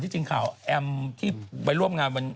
ที่จริงข่าวแอมที่ไปร่วมงาน